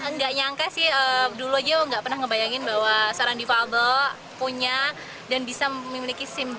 nggak nyangka sih dulu aja nggak pernah ngebayangin bahwa seorang defable punya dan bisa memiliki sim